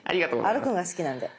歩くのが好きなんで。